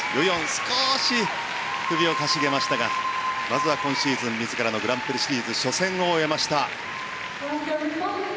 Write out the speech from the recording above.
少し首をかしげましたがまずは今シーズン自らのグランプリシリーズ初戦を終えました。